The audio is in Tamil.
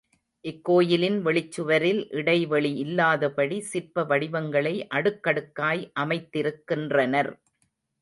இக்கோயிலின் வெளிச் சுவரில் இடைவெளி இல்லாதபடி சிற்ப வடிவங்களை அடுக்கடுக்காய் அமைத்தி ருக்கின்றனர்.